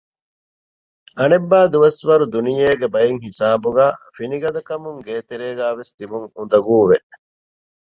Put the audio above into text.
އަނެއްބައި ދުވަސްވަރު ދުނިޔޭގެ ބައެއްހިސާބުގައި ފިނިގަދަކަމުން ގޭތެރޭގައިވެސް ތިބުން އުނދަގޫވެ